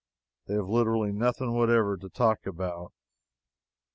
They have literally nothing whatever to talk about.